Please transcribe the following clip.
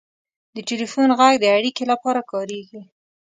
• د ټلیفون ږغ د اړیکې لپاره کارېږي.